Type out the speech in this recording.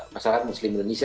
masyarakat muslim indonesia